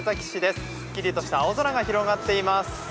スッキリとした青空が広がっています。